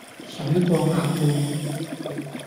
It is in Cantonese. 水過鴨背